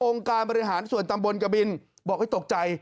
การบริหารส่วนตำบลกบินบอกให้ตกใจ